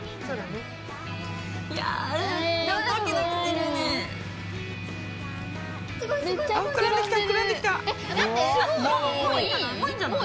もういいんじゃない？